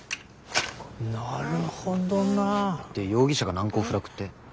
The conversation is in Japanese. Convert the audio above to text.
なるほどな。で容疑者が難攻不落って？